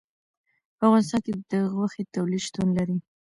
په افغانستان کې د غوښې تولید شتون لري.